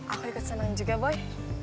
aku ikut senang juga boy